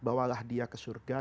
bawalah dia ke surga